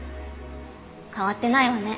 変わってないわね。